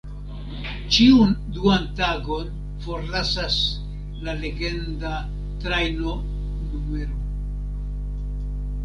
Ĉiun duan tagon forlasas la legenda "Trajno N-ro.